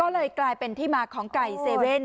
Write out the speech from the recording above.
ก็เลยกลายเป็นที่มาของไก่เซเว่น